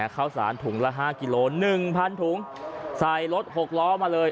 เข้าสารถุงละ๕กิโลหนึ่งพันถุงใส่รถ๖ล้อมาเลย